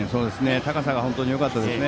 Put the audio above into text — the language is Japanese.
高さが本当によかったです。